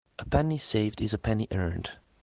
A penny saved is a penny earned.